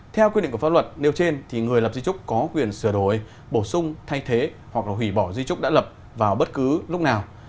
theo quy định của pháp luật nêu trên thì người lập di trúc có quyền sửa đổi bổ sung thay thế hoặc hủy bỏ di trúc đã lập vào bất cứ lúc nào